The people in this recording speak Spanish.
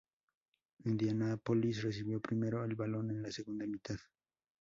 Indianapolis recibió primero el balón en la segunda mitad.